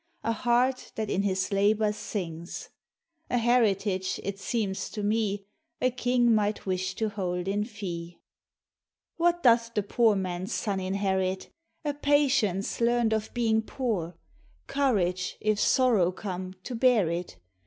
A heart that in his labor sings; A heritage, it seems to me. A king might wish to hold in fee. 17 POEMS OF HOME. What doth the poor man's sou inherit? A patience learned of beiug poor; Courage, if sorrow come, to bear it.